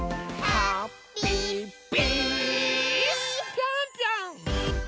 ぴょんぴょん！